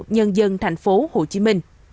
nhân dân tp hcm